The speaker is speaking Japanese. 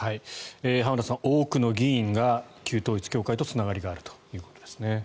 浜田さん、多くの議員が旧統一教会とつながりがあるということですね。